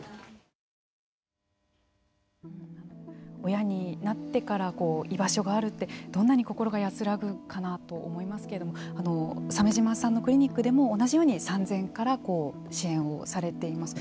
親になってから居場所があるってどんなに心が安らぐかなと思いますけれども鮫島さんのクリニックでも同じように産前から支援をされています。